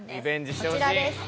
こちらです。